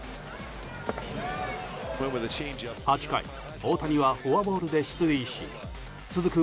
８回、大谷はフォアボールで出塁し続く